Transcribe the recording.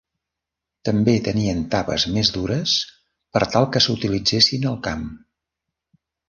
També tenien tapes més dures per tal que s'utilitzessin al camp.